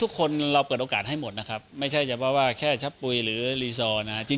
ทุกคนเราเปิดโอกาสให้หมดนะครับไม่ใช่เฉพาะว่าแค่ชะปุ๋ยหรือรีซอร์นะครับ